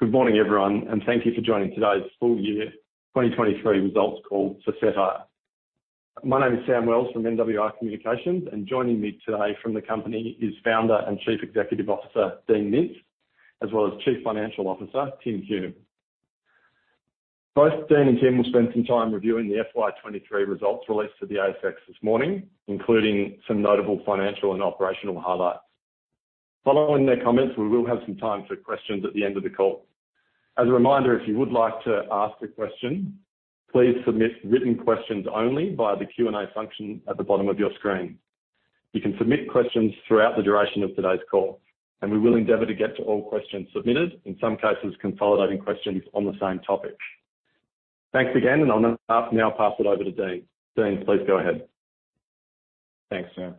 Good morning, everyone, and thank you for joining today's full year 2023 results call for Cettire. My name is Sam Wells from NWR Communications, and joining me today from the company is Founder and Chief Executive Officer, Dean Mintz, as well as Chief Financial Officer, Tim Hume. Both Dean and Tim will spend some time reviewing the FY 2023 results released to the ASX this morning, including some notable financial and operational highlights. Following their comments, we will have some time for questions at the end of the call. As a reminder, if you would like to ask a question, please submit written questions only via the Q and A function at the bottom of your screen. You can submit questions throughout the duration of today's call, and we will endeavor to get to all questions submitted, in some cases, consolidating questions on the same topic. Thanks again. I'll now pass it over to Dean. Dean, please go ahead. Thanks, Sam.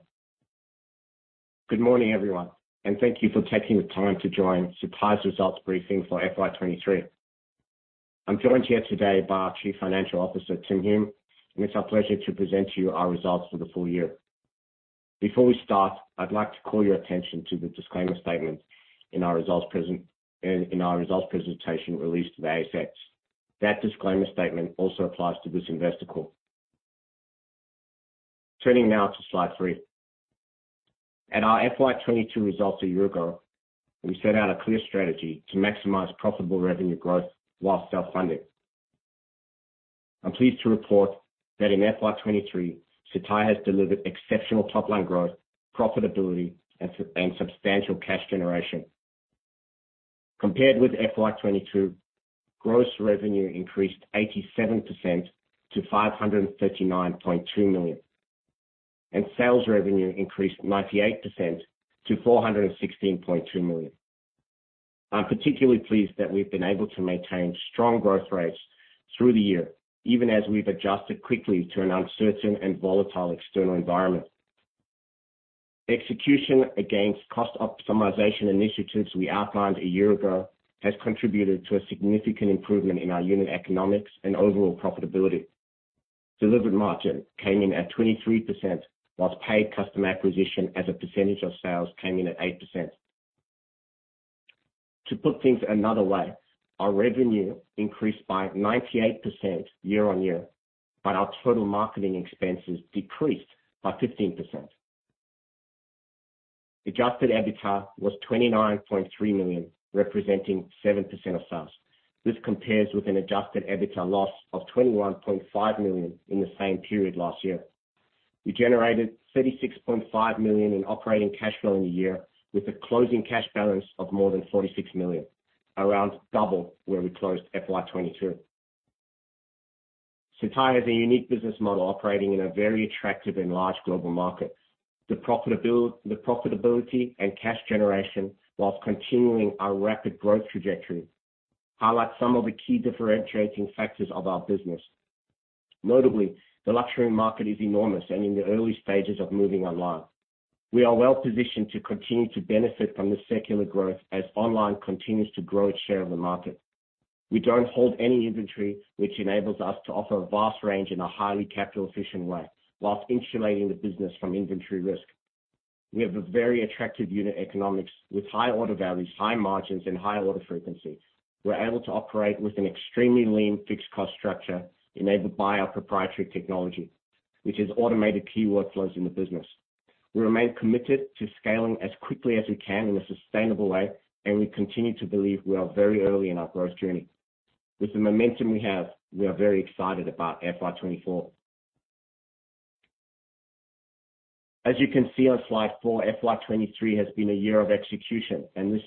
Good morning, everyone, and thank you for taking the time to join Cettire's results briefing for FY 2023. I'm joined here today by our Chief Financial Officer, Tim Hume, and it's our pleasure to present to you our results for the full year. Before we start, I'd like to call your attention to the disclaimer statement in our results presentation released to the ASX. That disclaimer statement also applies to this investor call. Turning now to slide three. At our FY 2022 results a year ago, we set out a clear strategy to maximize profitable revenue growth while self-funding. I'm pleased to report that in FY 2023, Cettire has delivered exceptional top-line growth, profitability, and substantial cash generation. Compared with FY 2022, gross revenue increased 87% to 539.2 million. Sales revenue increased 98% to 416.2 million. I'm particularly pleased that we've been able to maintain strong growth rates through the year, even as we've adjusted quickly to an uncertain and volatile external environment. Execution against cost optimization initiatives we outlined a year ago, has contributed to a significant improvement in our unit economics and overall profitability. Delivered margin came in at 23%, whilst paid customer acquisition as a percentage of sales, came in at 8%. To put things another way, our revenue increased by 98% year-on-year. Our total marketing expenses decreased by 15%. Adjusted EBITDA was 29.3 million, representing 7% of sales. This compares with an adjusted EBITDA loss of 21.5 million in the same period last year. We generated 36.5 million in operating cash flow in the year, with a closing cash balance of more than 46 million, around double where we closed FY 2022. Cettire has a unique business model operating in a very attractive and large global market. The profitability, the profitability, and cash generation, while continuing our rapid growth trajectory, highlight some of the key differentiating factors of our business. Notably, the luxury market is enormous and in the early stages of moving online. We are well positioned to continue to benefit from this secular growth as online continues to grow its share of the market. We don't hold any inventory, which enables us to offer a vast range in a highly capital-efficient way, while insulating the business from inventory risk. We have a very attractive unit economics with high order values, high margins, and high order frequency. We're able to operate with an extremely lean, fixed cost structure enabled by our proprietary technology, which has automated key workflows in the business. We remain committed to scaling as quickly as we can in a sustainable way, and we continue to believe we are very early in our growth journey. With the momentum we have, we are very excited about FY 2024. As you can see on slide four, FY 2023 has been a year of execution, and this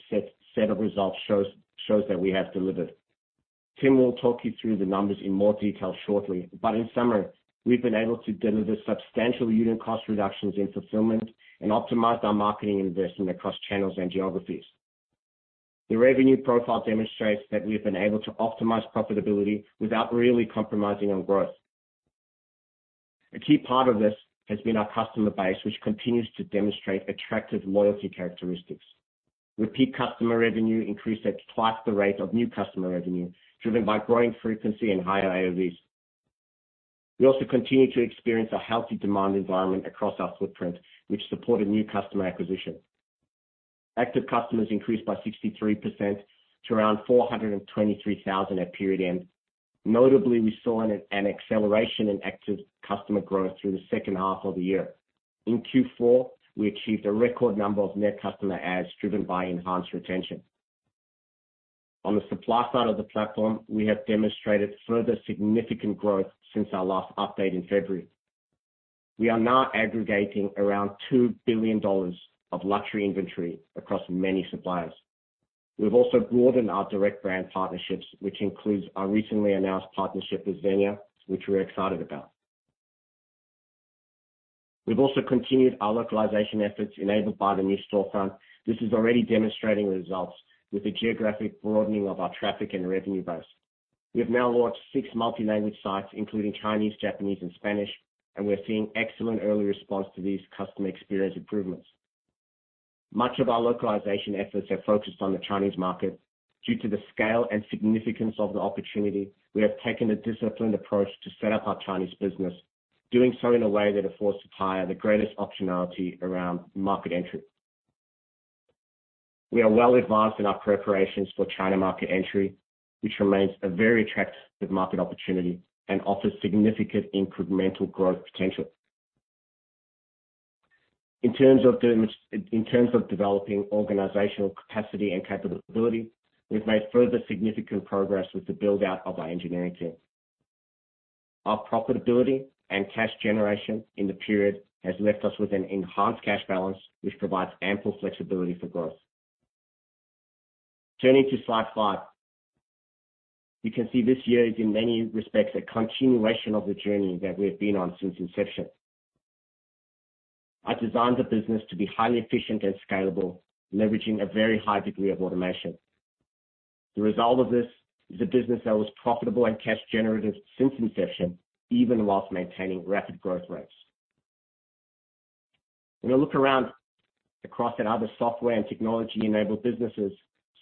set of results shows that we have delivered. Tim will talk you through the numbers in more detail shortly, but in summary, we've been able to deliver substantial unit cost reductions in fulfillment and optimize our marketing investment across channels and geographies. The revenue profile demonstrates that we've been able to optimize profitability without really compromising on growth. A key part of this has been our customer base, which continues to demonstrate attractive loyalty characteristics. Repeat customer revenue increased at twice the rate of new customer revenue, driven by growing frequency and higher AOV. We also continue to experience a healthy demand environment across our footprint, which supported new customer acquisition. Active customers increased by 63% to around 423,000 at period end. Notably, we saw an acceleration in active customer growth through the second half of the year. In Q4, we achieved a record number of net customer adds, driven by enhanced retention. On the supply side of the platform, we have demonstrated further significant growth since our last update in February. We are now aggregating around 2 billion dollars of luxury inventory across many suppliers. We've also broadened our direct brand partnerships, which includes our recently announced partnership with Zegna, which we're excited about. We've also continued our localization efforts enabled by the new storefront. This is already demonstrating results with the geographic broadening of our traffic and revenue base. We have now launched six multi-language sites, including Chinese, Japanese, and Spanish, and we're seeing excellent early response to these customer experience improvements. Much of our localization efforts have focused on the Chinese market. Due to the scale and significance of the opportunity, we have taken a disciplined approach to set up our Chinese business.... doing so in a way that affords Cettire the greatest optionality around market entry. We are well advanced in our preparations for China market entry, which remains a very attractive market opportunity and offers significant incremental growth potential. In terms of developing organizational capacity and capability, we've made further significant progress with the build-out of our engineering team. Our profitability and cash generation in the period has left us with an enhanced cash balance, which provides ample flexibility for growth. Turning to slide five. You can see this year is, in many respects, a continuation of the journey that we've been on since inception. I designed the business to be highly efficient and scalable, leveraging a very high degree of automation. The result of this is a business that was profitable and cash generative since inception, even whilst maintaining rapid growth rates. When I look around across at other software and technology-enabled businesses,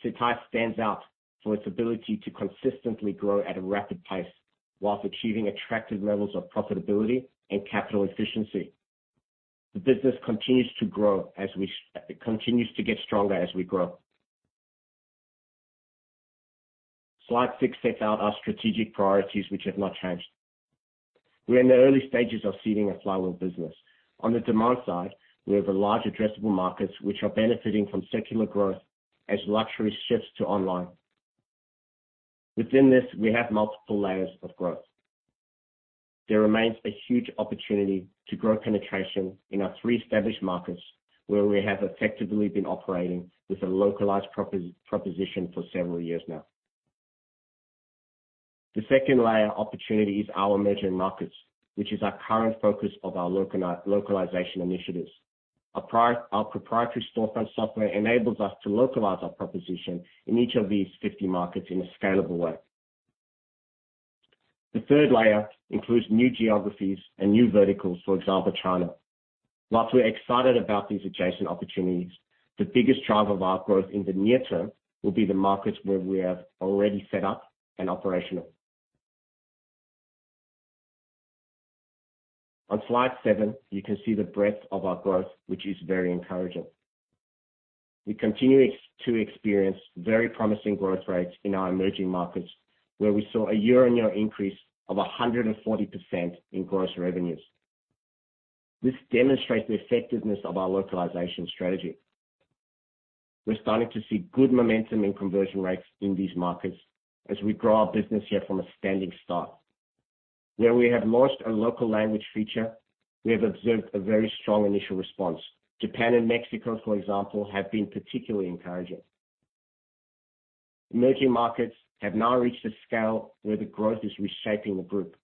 Cettire stands out for its ability to consistently grow at a rapid pace whilst achieving attractive levels of profitability and capital efficiency. The business continues to grow. It continues to get stronger as we grow. Slide six sets out our strategic priorities, which have not changed. We're in the early stages of seeding a flywheel business. On the demand side, we have a large addressable markets, which are benefiting from secular growth as luxury shifts to online. Within this, we have multiple layers of growth. There remains a huge opportunity to grow penetration in our three established markets, where we have effectively been operating with a localized proposition for several years now. The second layer opportunity is our emerging markets, which is our current focus of our localization initiatives. Our proprietary storefront software enables us to localize our proposition in each of these 50 markets in a scalable way. The third layer includes new geographies and new verticals, for example, China. Whilst we're excited about these adjacent opportunities, the biggest driver of our growth in the near term will be the markets where we are already set up and operational. On slide seven, you can see the breadth of our growth, which is very encouraging. We continue to experience very promising growth rates in our emerging markets, where we saw a year-on-year increase of 140% in gross revenues. This demonstrates the effectiveness of our localization strategy. We're starting to see good momentum in conversion rates in these markets as we grow our business here from a standing start. Where we have launched a local language feature, we have observed a very strong initial response. Japan and Mexico, for example, have been particularly encouraging. Emerging markets have now reached a scale where the growth is reshaping the group.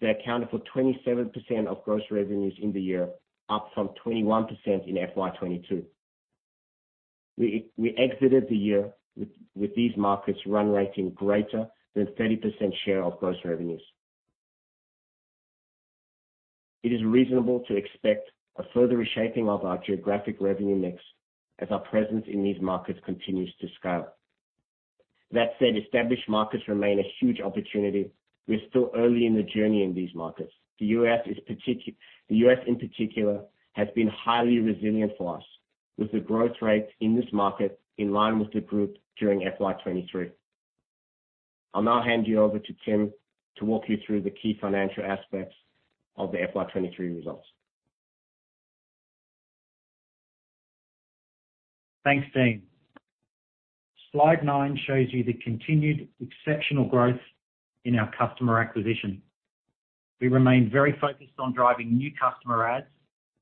They accounted for 27% of gross revenues in the year, up from 21% in FY 2022. We exited the year with these markets run rating greater than 30% share of gross revenues. It is reasonable to expect a further reshaping of our geographic revenue mix as our presence in these markets continues to scale. That said, established markets remain a huge opportunity. We're still early in the journey in these markets. The U.S., in particular, has been highly resilient for us, with the growth rate in this market in line with the group during FY 2023. I'll now hand you over to Tim to walk you through the key financial aspects of the FY 2023 results. Thanks, Dean. Slide nine shows you the continued exceptional growth in our customer acquisition. We remain very focused on driving new customer adds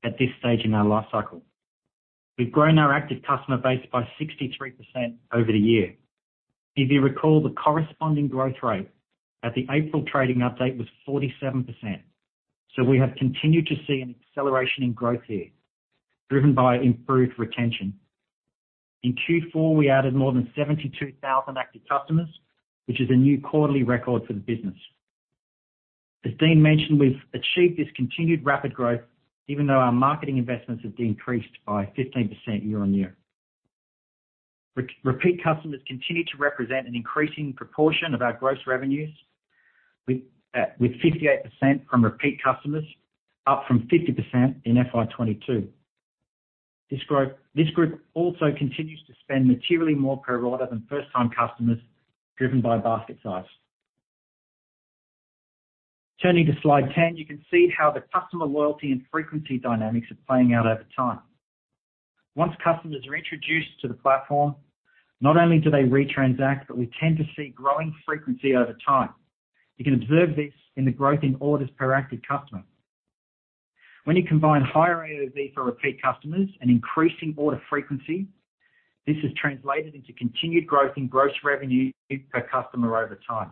at this stage in our life cycle. We've grown our active customer base by 63% over the year. If you recall, the corresponding growth rate at the April trading update was 47%. We have continued to see an acceleration in growth here, driven by improved retention. In Q4, we added more than 72,000 active customers, which is a new quarterly record for the business. As Dean mentioned, we've achieved this continued rapid growth even though our marketing investments have decreased by 15% year-on-year. Repeat customers continue to represent an increasing proportion of our gross revenues, with 58% from repeat customers, up from 50% in FY 2022. This group, this group also continues to spend materially more per order than first-time customers, driven by basket size. Turning to slide 10, you can see how the customer loyalty and frequency dynamics are playing out over time. Once customers are introduced to the platform, not only do they retransact, but we tend to see growing frequency over time. You can observe this in the growth in orders per active customer. When you combine higher AOV for repeat customers and increasing order frequency, this is translated into continued growth in gross revenue per customer over time.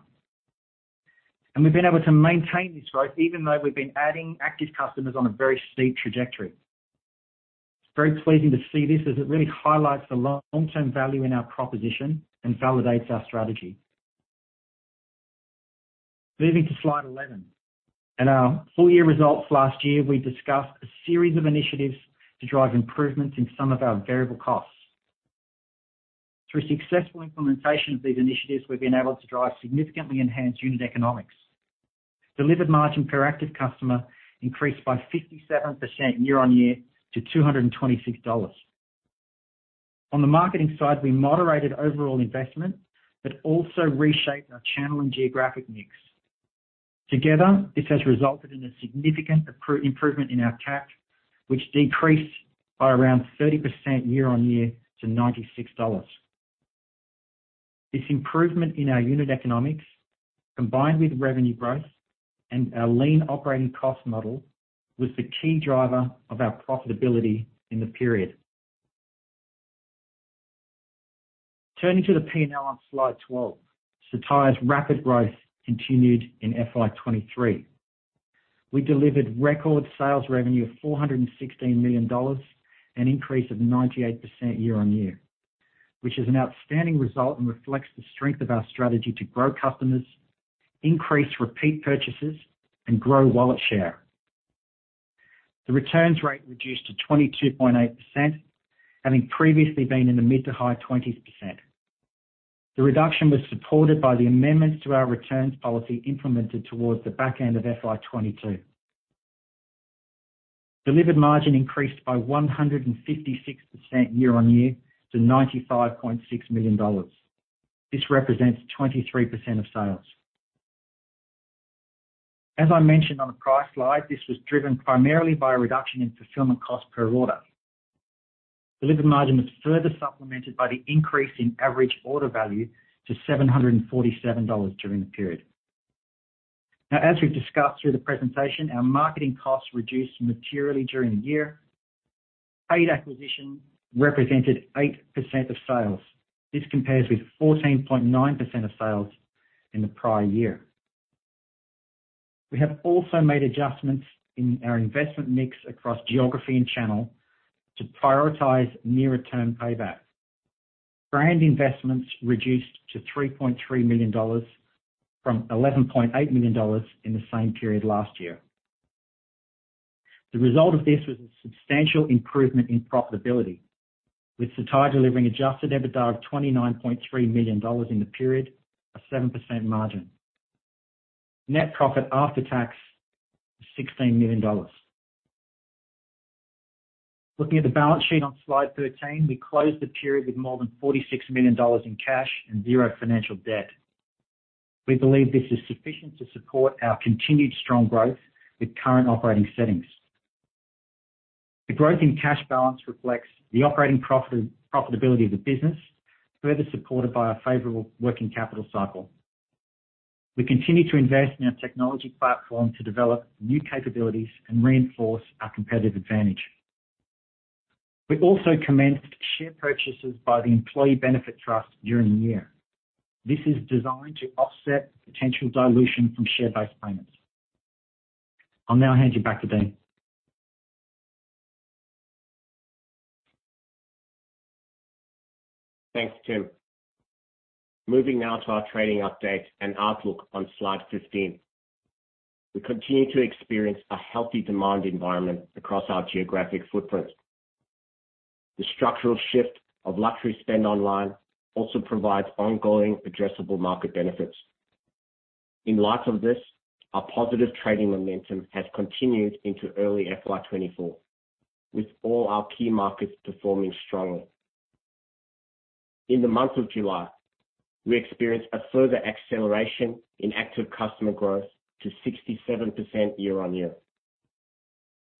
We've been able to maintain this growth even though we've been adding active customers on a very steep trajectory. It's very pleasing to see this as it really highlights the long-term value in our proposition and validates our strategy. Moving to slide 11. In our full-year results last year, we discussed a series of initiatives to drive improvements in some of our variable costs.... Through successful implementation of these initiatives, we've been able to drive significantly enhanced unit economics. Delivered margin per active customer increased by 57% year-on-year to $226. On the marketing side, we moderated overall investment, but also reshaped our channel and geographic mix. Together, this has resulted in a significant improvement in our CAC, which decreased by around 30% year-on-year to $96. This improvement in our unit economics, combined with revenue growth and our lean operating cost model, was the key driver of our profitability in the period. Turning to the P&L on Slide 12. Cettire's rapid growth continued in FY 2023. We delivered record sales revenue of $416 million, an increase of 98% year-on-year. Which is an outstanding result and reflects the strength of our strategy to grow customers, increase repeat purchases, and grow wallet share. The returns rate reduced to 22.8%, having previously been in the mid to high 20s %. The reduction was supported by the amendments to our returns policy, implemented towards the back end of FY 2022. Delivered margin increased by 156% year-on-year to 95.6 million dollars. This represents 23% of sales. As I mentioned on the price slide, this was driven primarily by a reduction in fulfillment cost per order. Delivered margin was further supplemented by the increase in average order value to 747 dollars during the period. Now, as we've discussed through the presentation, our marketing costs reduced materially during the year. Paid acquisition represented 8% of sales. This compares with 14.9% of sales in the prior year. We have also made adjustments in our investment mix across geography and channel to prioritize near-term payback. Brand investments reduced to 3.3 million dollars from 11.8 million dollars in the same period last year. The result of this was a substantial improvement in profitability, with Cettire delivering adjusted EBITDA of 29.3 million dollars in the period, a 7% margin. Net profit after tax, 16 million dollars. Looking at the balance sheet on Slide 13, we closed the period with more than 46 million dollars in cash and zero financial debt. We believe this is sufficient to support our continued strong growth with current operating settings. The growth in cash balance reflects the operating profitability of the business, further supported by a favorable working capital cycle. We continue to invest in our technology platform to develop new capabilities and reinforce our competitive advantage. We also commenced share purchases by the Employee Benefit Trust during the year. This is designed to offset potential dilution from share-based payments. I'll now hand you back to Dean. Thanks, Tim. Moving now to our trading update and outlook on Slide 15. We continue to experience a healthy demand environment across our geographic footprint. The structural shift of luxury spend online also provides ongoing addressable market benefits. In light of this, our positive trading momentum has continued into early FY 2024, with all our key markets performing strongly. In the month of July, we experienced a further acceleration in active customer growth to 67% year-on-year.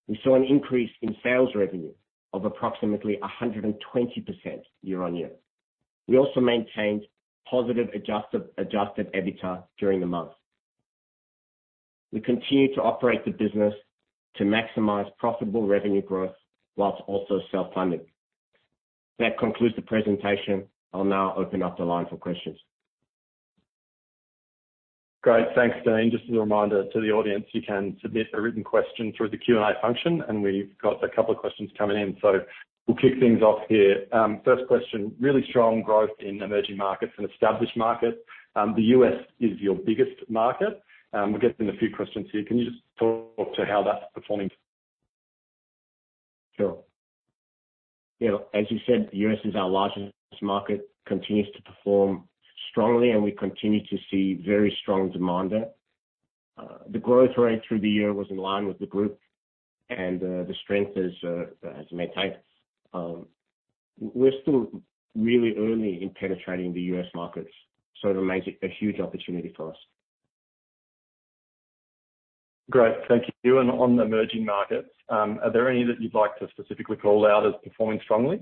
We saw an increase in sales revenue of approximately 120% year-on-year. We also maintained positive adjusted EBITDA during the month. We continue to operate the business to maximize profitable revenue growth whilst also self-funding. That concludes the presentation. I'll now open up the line for questions. Great. Thanks, Dean. Just as a reminder to the audience, you can submit a written question through the Q and A function. We've got a couple of questions coming in, so we'll kick things off here. First question, really strong growth in emerging markets and established markets. The U.S. is your biggest market. We're getting a few questions here. Can you just talk to how that's performing? Sure. You know, as you said, the U.S. is our largest market, continues to perform strongly and we continue to see very strong demand there. The growth rate through the year was in line with the group, and the strength has been maintained. We're still really early in penetrating the U.S. markets, so it remains a, a huge opportunity for us. Great, thank you. On the emerging markets, are there any that you'd like to specifically call out as performing strongly?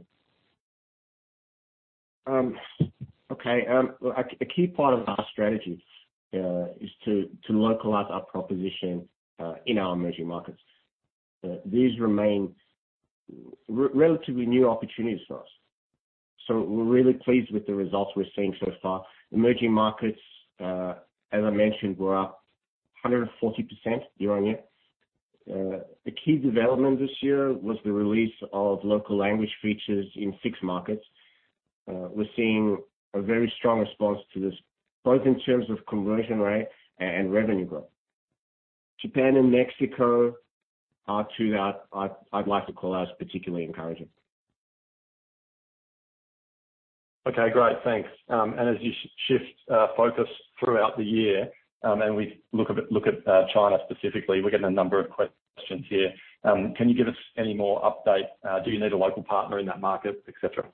Okay. A key part of our strategy is to localize our proposition in our emerging markets. These remain relatively new opportunities for us, so we're really pleased with the results we're seeing so far. Emerging markets, as I mentioned, were up 140% year-on-year. The key development this year was the release of local language features in six markets. We're seeing a very strong response to this, both in terms of conversion rate and revenue growth. Japan and Mexico are two that I'd like to call out as particularly encouraging. Okay, great. Thanks. As you shift focus throughout the year, and we look a bit, look at China specifically, we're getting a number of questions here. Can you give us any more update? Do you need a local partner in that market, et cetera?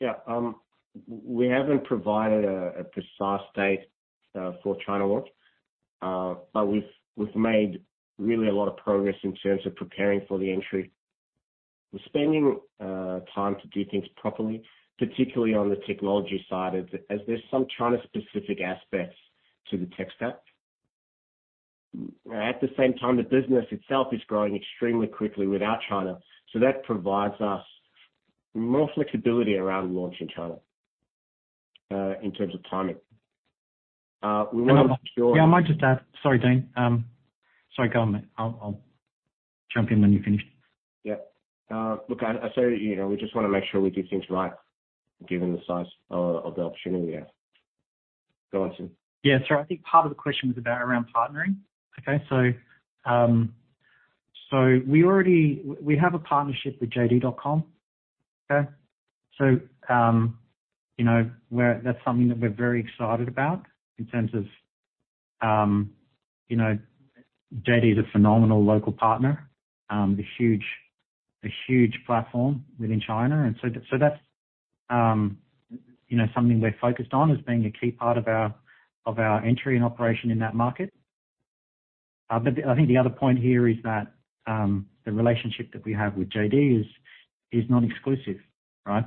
We haven't provided a, a precise date for China launch. We've, we've made really a lot of progress in terms of preparing for the entry. We're spending time to do things properly, particularly on the technology side, as, as there's some China-specific aspects to the tech stack. At the same time, the business itself is growing extremely quickly without China, so that provides us more flexibility around launch in China in terms of timing. We want to make sure- Yeah, I might just add. Sorry, Dean. Sorry, go on then. I'll, I'll jump in when you're finished. Yeah. look, I, I say, you know, we just wanna make sure we do things right, given the size of, of the opportunity there. Go on, Tim. Yeah, I think part of the question was about around partnering. We have a partnership with JD.com. You know, that's something that we're very excited about in terms of, you know, JD is a phenomenal local partner, a huge, a huge platform within China. That's, you know, something we're focused on as being a key part of our, of our entry and operation in that market. I think the other point here is that the relationship that we have with JD is, is not exclusive, right?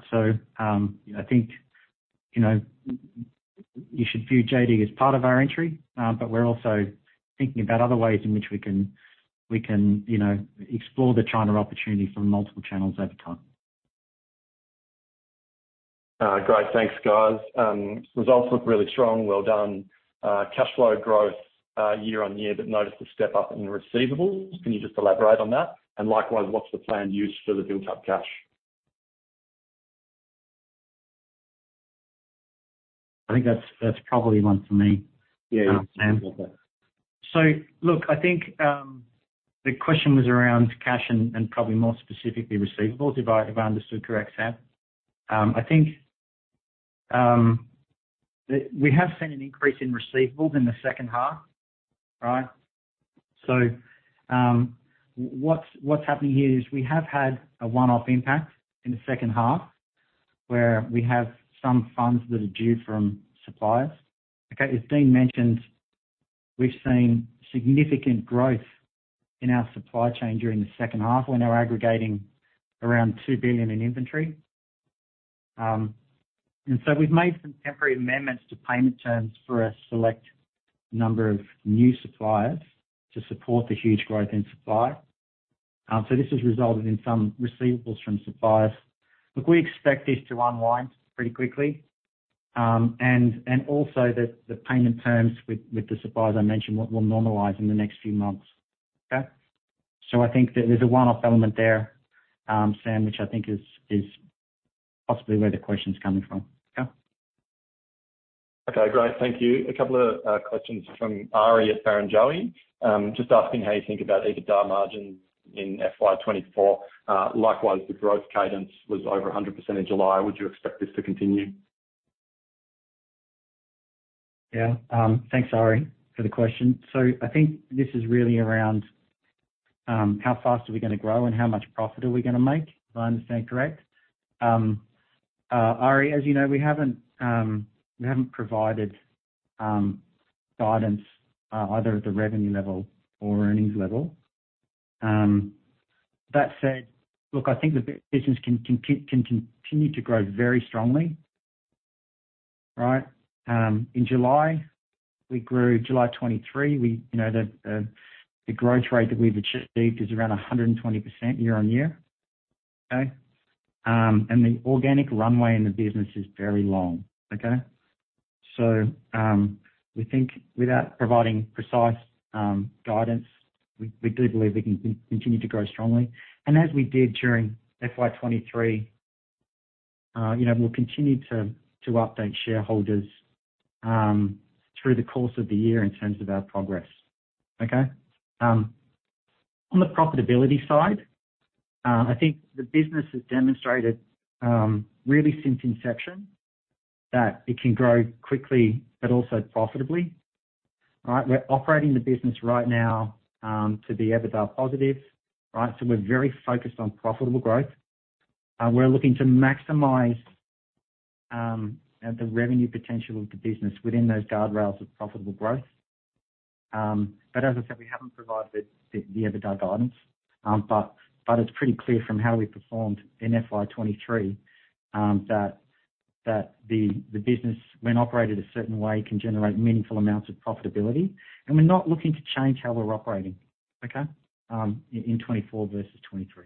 I think, you know, you should view JD as part of our entry, but we're also thinking about other ways in which we can, we can, you know, explore the China opportunity from multiple channels over time. Great. Thanks, guys. Results look really strong. Well done. Cash flow growth year-over-year, but noticed a step up in receivables. Can you just elaborate on that? Likewise, what's the planned use for the built-up cash? I think that's, that's probably one for me. Yeah. Look, I think, the question was around cash and, and probably more specifically, receivables, if I, if I understood correct, Sam. I think, we have seen an increase in receivables in the second half, right? What's, what's happening here is we have had a one-off impact in the second half, where we have some funds that are due from suppliers. Okay, as Dean mentioned, we've seen significant growth in our supply chain during the second half, when we're aggregating around $2 billion in inventory. We've made some temporary amendments to payment terms for a select number of new suppliers to support the huge growth in supply. This has resulted in some receivables from suppliers. Look, we expect this to unwind pretty quickly, and also that the payment terms with, with the suppliers, I mentioned, will, will normalize in the next few months. Okay? I think that there's a one-off element there, Sam, which I think is, is possibly where the question's coming from. Okay? Okay, great. Thank you. A couple of questions from Ari at Barrenjoey. Just asking how you think about EBITDA margins in FY 2024. Likewise, the growth cadence was over 100% in July. Would you expect this to continue? Yeah. Thanks, Ari, for the question. I think this is really around how fast are we gonna grow and how much profit are we gonna make, if I understand correct. Ari, as you know, we haven't provided guidance, either at the revenue level or earnings level. That said, look, I think the business can continue to grow very strongly. Right. In July, we grew-- July 2023, we, you know, the growth rate that we've achieved is around 120% year-on-year. Okay. And the organic runway in the business is very long. Okay. We think without providing precise guidance, we do believe we can continue to grow strongly. As we did during FY 2023, you know, we'll continue to update shareholders through the course of the year in terms of our progress. Okay? On the profitability side, I think the business has demonstrated, really since inception, that it can grow quickly but also profitably. Right? We're operating the business right now to be EBITDA positive, right? We're very focused on profitable growth. We're looking to maximize the revenue potential of the business within those guardrails of profitable growth. But as I said, we haven't provided the EBITDA guidance. But it's pretty clear from how we performed in FY 2023 that the business, when operated a certain way, can generate meaningful amounts of profitability. We're not looking to change how we're operating, okay, in 2024 versus 2023.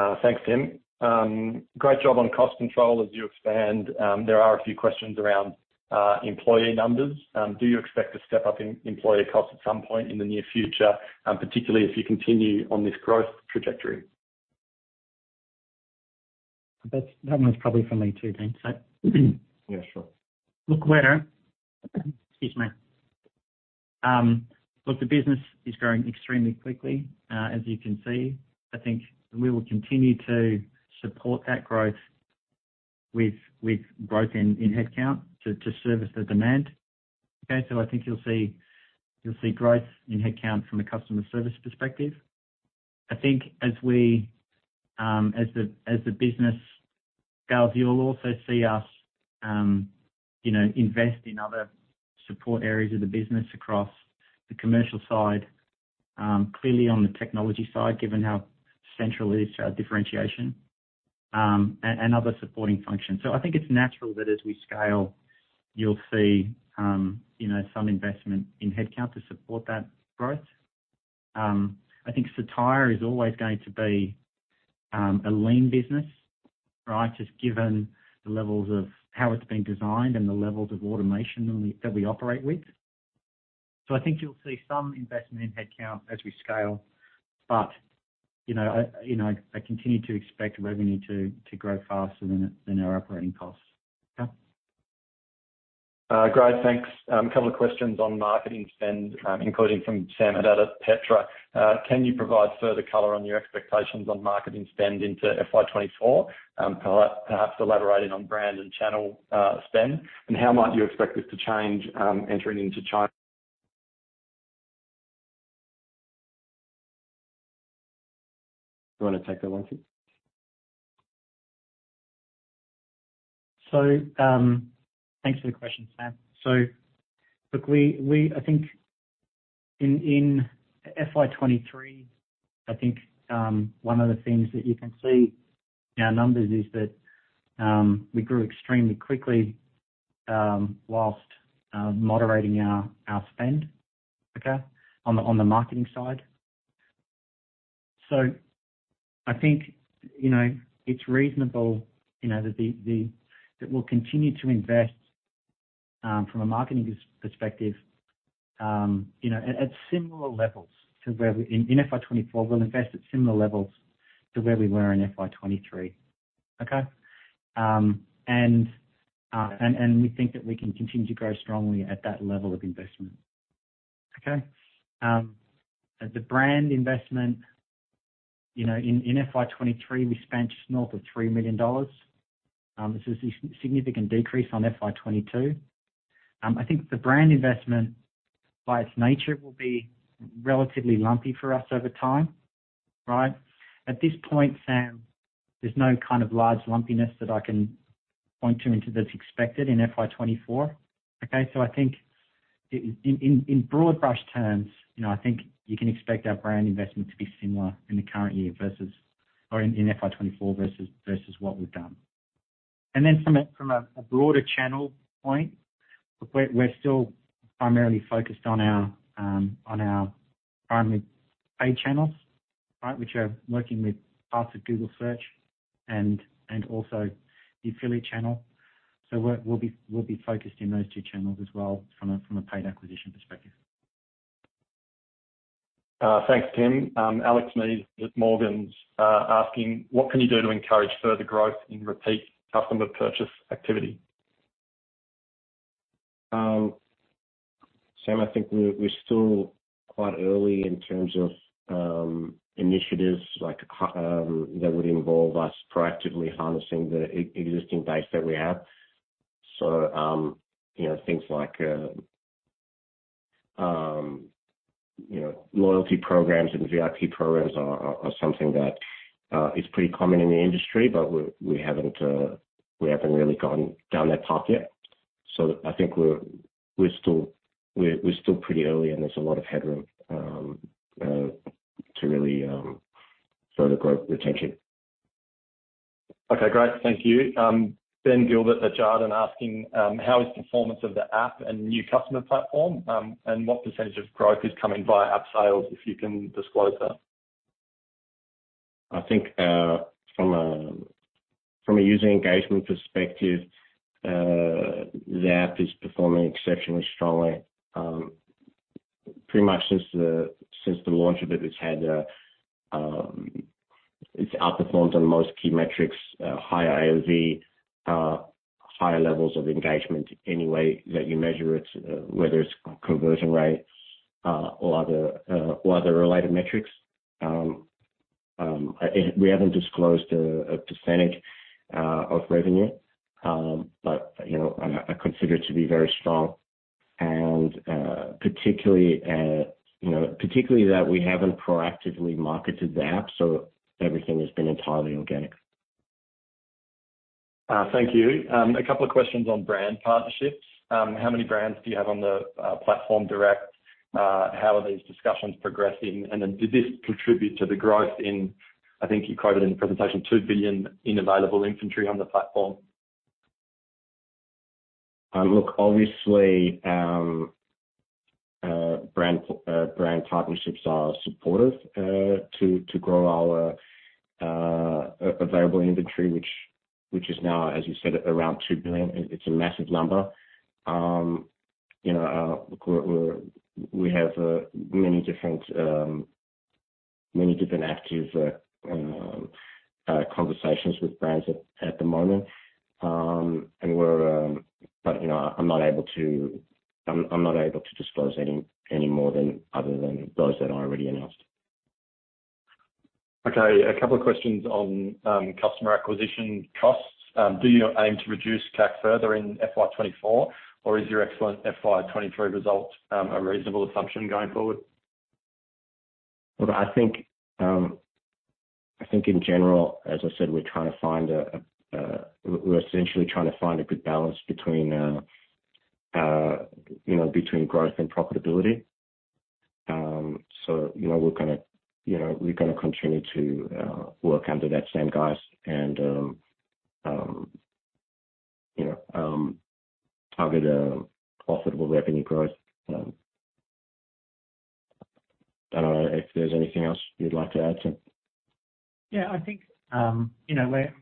Okay? Thanks, Tim. Great job on cost control as you expand. There are a few questions around employee numbers. Do you expect to step up in employee costs at some point in the near future, and particularly if you continue on this growth trajectory? That one's probably for me, too, Dean. Yeah, sure. Look, where-- Excuse me. Look, the business is growing extremely quickly, as you can see. I think we will continue to support that growth with, with growth in, in headcount to, to service the demand. Okay, I think you'll see, you'll see growth in headcount from a customer service perspective. I think as we, as the, as the business scales, you'll also see us, you know, invest in other support areas of the business across the commercial side, clearly on the technology side, given how central it is to our differentiation, and, and other supporting functions. I think it's natural that as we scale, you'll see, you know, some investment in headcount to support that growth. I think Cettire is always going to be a lean business, right? Just given the levels of how it's been designed and the levels of automation on the that we operate with. I think you'll see some investment in headcount as we scale, but, you know, I, you know, I continue to expect revenue to, to grow faster than our, than our operating costs. Okay? Great. Thanks. A couple of questions on marketing spend, including from Sam Haddada at Petra. Can you provide further color on your expectations on marketing spend into FY 2024? Perhaps elaborating on brand and channel spend, and how might you expect this to change, entering into China? Do you want to take that one, Tim? Thanks for the question, Sam. I think in FY 2023, one of the things that you can see in our numbers is that we grew extremely quickly, whilst moderating our spend, okay, on the marketing side. I think, you know, it's reasonable, you know, that we'll continue to invest from a marketing perspective, you know, at similar levels. In FY 2024, we'll invest at similar levels to where we were in FY 2023. We think that we can continue to grow strongly at that level of investment. The brand investment, you know, in FY 2023, we spent just north of $3 million. This is a significant decrease on FY 2022. I think the brand investment, by its nature, will be relatively lumpy for us over time. Right? At this point, Sam, there's no kind of large lumpiness that I can point to, and that's expected in FY 2024. I think in broader brush terms, you know, I think you can expect our brand investment to be similar in the current year versus or in FY 2024, versus, versus what we've done. From a broader channel point, we're still primarily focused on our primary paid channels, right? Which are working with parts of Google Search and also the affiliate channel. We'll be focused in those two channels as well from a paid acquisition perspective. Thanks, Tim. Alex Meades with Morgan's, asking: What can you do to encourage further growth in repeat customer purchase activity? Sam, I think we're, we're still quite early in terms of initiatives like that would involve us proactively harnessing the existing base that we have. You know, things like you know loyalty programs and VIP programs are, are, are something that is pretty common in the industry, but we haven't, we haven't really gone down that path yet. I think we're, we're still, we're, we're still pretty early, and there's a lot of headroom to really further grow retention. Okay, great. Thank you. Ben Gilbert at Jarden asking: How is performance of the app and new customer platform, and what % of growth is coming via app sales, if you can disclose that? I think, from a, from a user engagement perspective, the app is performing exceptionally strongly. Pretty much since the, since the launch of it, it's outperformed on most key metrics: higher AOV, higher levels of engagement any way that you measure it, whether it's conversion rates, or other related metrics. We haven't disclosed a percentage of revenue, but, you know, I consider it to be very strong and particularly, you know, that we haven't proactively marketed the app, so everything has been entirely organic. Thank you. A couple of questions on brand partnerships. How many brands do you have on the platform direct? How are these discussions progressing? Did this contribute to the growth in, I think you quoted in the presentation, $2 billion in available inventory on the platform? Look, obviously, brand, brand partnerships are supportive, to, to grow our available inventory, which, which is now, as you said, around 2 billion. It, it's a massive number. You know, we're, we have many different, many different active conversations with brands at, at the moment. We're, but, you know, I'm not able to, I'm, I'm not able to disclose any, any more than other than those that I already announced. Okay, a couple of questions on customer acquisition costs. Do you aim to reduce CAC further in FY 2024, or is your excellent FY 2023 result a reasonable assumption going forward? Look, I think, I think in general, as I said, we're trying to find a, we're essentially trying to find a good balance between, you know, between growth and profitability. you know, we're gonna, you know, we're gonna continue to work under that same guise and, you know, target a profitable revenue growth. I don't know if there's anything else you'd like to add, Tim. Yeah, I think, you know, we're, it,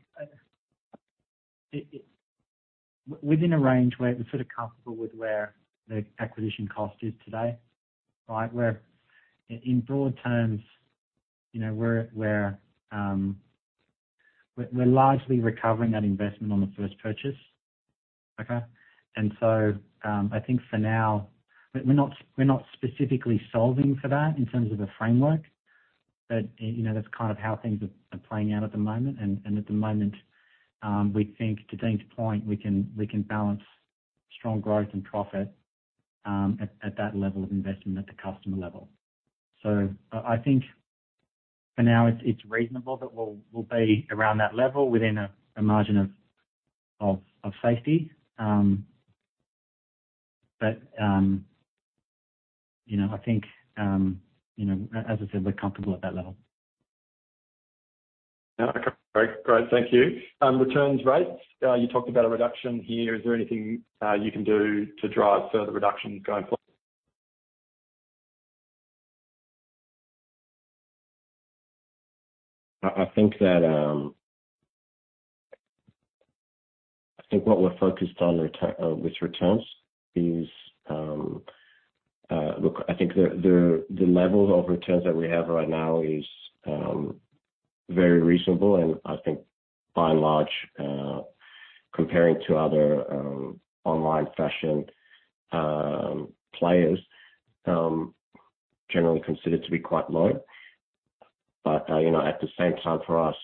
within a range where we're sort of comfortable with where the acquisition cost is today, right? Where in broad terms, you know, we're, we're, we're largely recovering that investment on the first purchase. Okay? I think for now, we're not, we're not specifically solving for that in terms of the framework. You know, that's kind of how things are, are playing out at the moment. At the moment, we think, to Dean's point, we can, we can balance strong growth and profit, at, at that level of investment at the customer level. I, I think for now, it's, it's reasonable that we'll, we'll be around that level within a, a margin of, of, of safety. You know, I think, you know, as I said, we're comfortable at that level. Okay, great. Thank you. returns rates. You talked about a reduction here. Is there anything you can do to drive further reductions going forward? I, I think that, I think what we're focused on return- with returns is, look, I think the, the, the levels of returns that we have right now is very reasonable. I think by and large, comparing to other, online fashion, players, generally considered to be quite low. You know, at the same time, for us,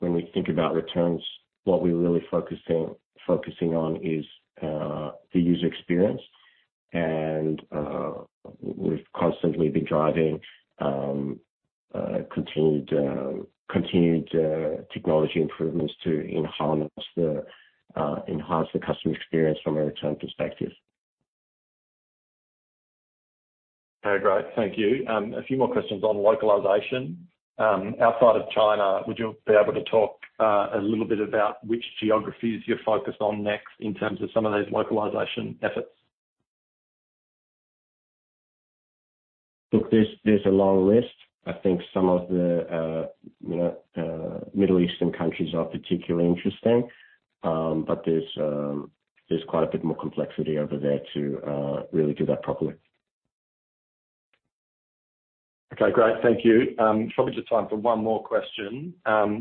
when we think about returns, what we're really focusing, focusing on is the user experience. We've constantly been driving, continued, continued, technology improvements to enhance the, enhance the customer experience from a return perspective. Okay, great. Thank you. A few more questions on localization. Outside of China, would you be able to talk a little bit about which geographies you're focused on next in terms of some of those localization efforts? Look, there's, there's a long list. I think some of the, you know, Middle Eastern countries are particularly interesting, but there's, there's quite a bit more complexity over there to really do that properly. Okay, great. Thank you. Probably just time for one more question.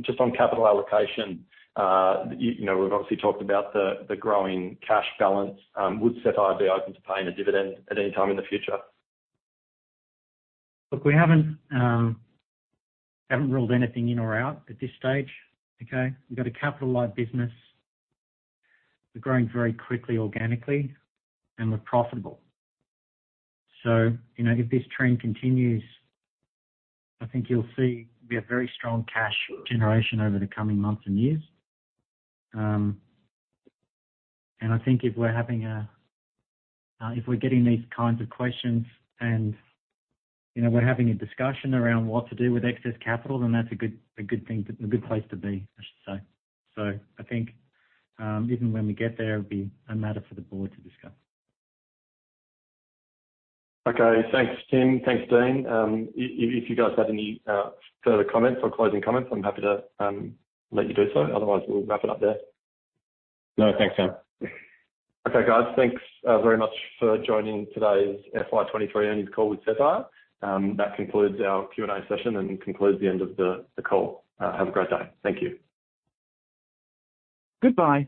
Just on capital allocation. You know, we've obviously talked about the, the growing cash balance. Would Cettire be open to paying a dividend at any time in the future? Look, we haven't, haven't ruled anything in or out at this stage, okay? We've got a capital light business. We're growing very quickly, organically, and we're profitable. You know, if this trend continues, I think you'll see we have very strong cash generation over the coming months and years. I think if we're having a, if we're getting these kinds of questions and, you know, we're having a discussion around what to do with excess capital, then that's a good, a good thing, a good place to be, I should say. I think, even when we get there, it'll be a matter for the board to discuss. Okay, thanks, Tim. Thanks, Dean. If, if you guys have any further comments or closing comments, I'm happy to let you do so. Otherwise, we'll wrap it up there. No, thanks, Sam. Okay, guys, thanks, very much for joining today's FY 2023 earnings call with Cettire. That concludes our Q and A session and concludes the end of the, the call. Have a great day. Thank you. Goodbye.